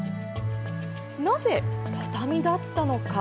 なぜ、畳だったのか。